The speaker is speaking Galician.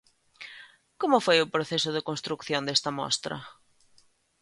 Como foi o proceso de construción desta mostra?